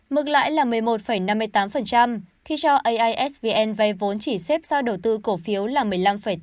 mức lãi là một mươi một năm mươi tám khi cho aisvn vay vốn chỉ xếp sau đầu tư cổ phiếu là một mươi năm tám